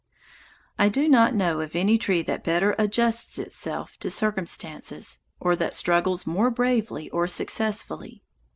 I do not know of any tree that better adjusts itself to circumstances, or that struggles more bravely or successfully.